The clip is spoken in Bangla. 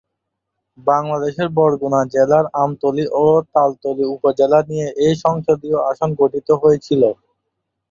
বাংলাদেশের বরগুনা জেলার আমতলী ও তালতলী উপজেলা নিয়ে এ সংসদীয় আসন গঠিত হয়েছিল।